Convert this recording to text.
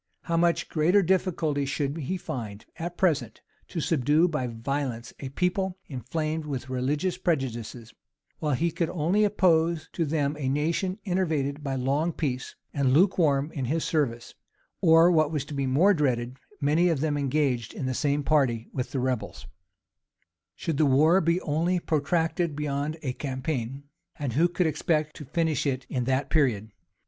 How much greater difficulty should he find, at present, to subdue by violence a people inflamed with religious prejudices; while he could only oppose to them a nation enervated by long peace, and lukewarm in his service; or, what was more to be dreaded, many of them engaged in the same party with the rebels?[*] * Rush. vol. iii. p. 936. Should the war be only protracted beyond a campaign, (and who could expect to finish it in that period?)